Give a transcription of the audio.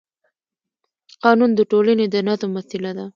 قانون د ټولنې د نظم وسیله ده